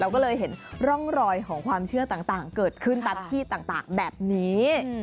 ก็เลยเห็นร่องรอยของความเชื่อต่างเกิดขึ้นตามที่ต่างแบบนี้